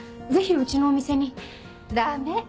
ぜひうちのお店に。